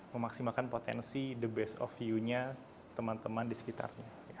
memaksimalkan potensi the best of view nya teman teman di sekitarnya